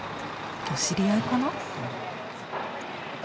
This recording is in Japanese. お知り合いかな？